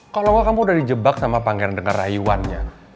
kalau gak kamu udah dijebak sama pangeran dengar rayuannya